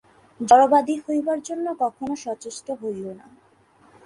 জড়বাদী হইবার জন্য কখনও সচেষ্ট হইও না।